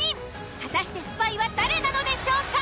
果たしてスパイは誰なのでしょうか？